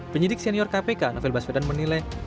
penyidik senior kpk novel baswedan menilai